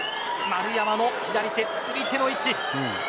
丸山の左手、釣り手の位置。